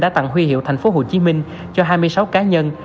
đã tặng huy hiệu thành phố hồ chí minh cho hai mươi sáu cá nhân